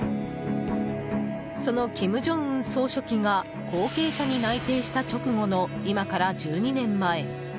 その金正恩総書記が後継者に内定した直後の今から１２年前